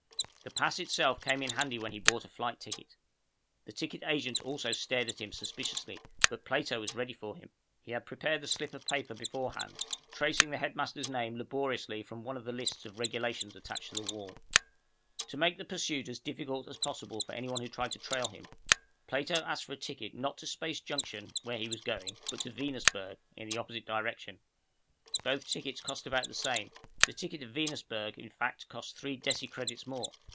The pass itself came in handy when he bought a flight ticket. The ticket agent also stared at him suspiciously, but Plato was ready for him. He had prepared the slip of paper beforehand, tracing the headmaster's name laboriously from one of the lists of regulations attached to the wall. To make pursuit as difficult as possible for any one who tried to trail him, Plato asked for a ticket not to Space Junction, where he was going, but to Venusberg, in the opposite direction. Both tickets cost about the same; the ticket to Venusberg, in fact, cost three decicredits more.